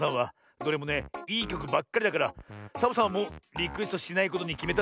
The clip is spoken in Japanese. どれもねいいきょくばっかりだからサボさんはもうリクエストしないことにきめたんだ。